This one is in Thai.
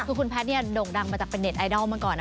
คือคุณแพทย์เนี่ยโด่งดังมาจากเป็นเน็ตไอดอลมาก่อนนะ